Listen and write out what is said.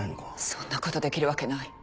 そんなことできるわけない。